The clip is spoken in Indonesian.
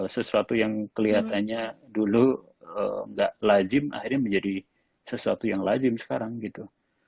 sesuatu yang kelihatannya dulu nggak lazim akhirnya menjadi sesuatu yang lazim sekarang gitu